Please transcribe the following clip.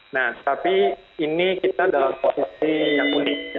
nah tapi ini kita dalam posisi yang unik